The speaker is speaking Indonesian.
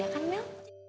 ya kan mel